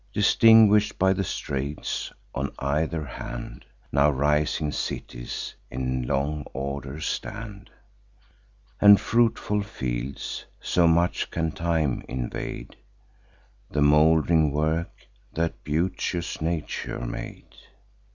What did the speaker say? Distinguish'd by the straits, on either hand, Now rising cities in long order stand, And fruitful fields: so much can time invade The mould'ring work that beauteous Nature made.